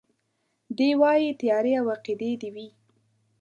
دی وايي تيارې او عقيدې دي وي